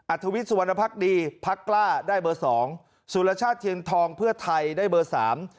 ทวิทย์สุวรรณภักดีพักกล้าได้เบอร์สองสุรชาติเทียนทองเพื่อไทยได้เบอร์สาม